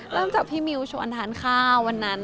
เริ่มจากพี่มิวชวนทานข้าววันนั้น